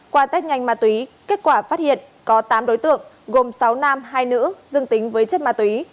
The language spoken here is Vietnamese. qua tết nhanh ma túy kết quả phát hiện có tám đối tượng gồm sáu nam hai nữ dương tính với chất ma túy